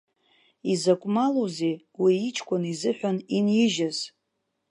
Изакә малузеи, уи иҷкәын изыҳәан инижьыз.